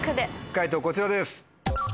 解答こちらです。